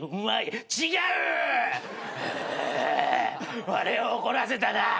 われを怒らせたな。